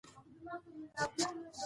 زه د هغه له سرسختو مینوالو څخه یم